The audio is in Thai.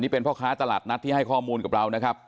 เป็นพ่อค้าตลาดนัดที่ให้ข้อมูลกับเรานะครับ